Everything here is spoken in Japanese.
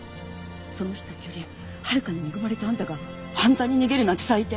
その人たちよりはるかに恵まれたあんたが犯罪に逃げるなんて最低。